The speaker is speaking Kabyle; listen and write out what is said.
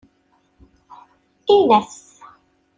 Ini-as.